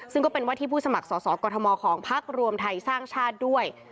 ซึ่งก็เป็นว่าที่ผู้สมัครสอสอกรทมของพักรวมไทยสร้างชาติด้วย